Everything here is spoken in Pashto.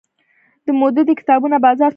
د مودودي کتابونو بازار تود شو